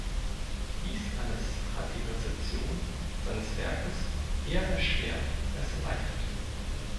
Dies alles hat die Rezeption seines Werkes eher erschwert als erleichtert.